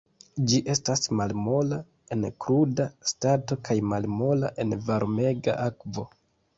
Ĝi estas malmola en kruda stato kaj malmola en varmega akvo.